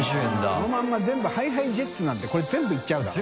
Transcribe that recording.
このまんま全部硲蕋硲Ｊｅｔｓなんてこれ全部いっちゃうだろ？